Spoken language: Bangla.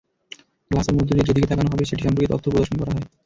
গ্লাসের মধ্য দিয়ে যেদিকে তাকানো হবে, সেটি সম্পর্কে তথ্য প্রদর্শন করা হয়।